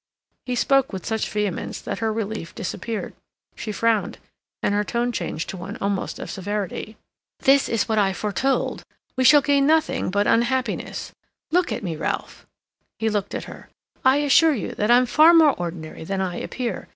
He spoke with such vehemence that her relief disappeared; she frowned; and her tone changed to one almost of severity. "This is what I foretold. We shall gain nothing but unhappiness. Look at me, Ralph." He looked at her. "I assure you that I'm far more ordinary than I appear.